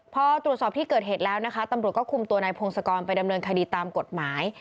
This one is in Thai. พอตรวจสอบที่เกิดเหตุแล้วนะคะตำรวจก็คุมตัวนายพงศกรไปดำเนินคดีตามกฎหมาย